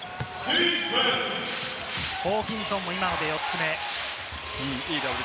ホーキンソンも今ので４つ目。